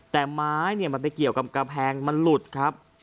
แต่ไม้มันไปเกี่ยวกับกำแพงมันหลุดครับ